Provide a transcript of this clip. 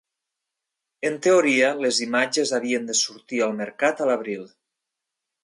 En teoria, les imatges havien de sortir al mercat a l'abril.